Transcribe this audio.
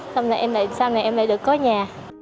xong rồi em lại được có nhà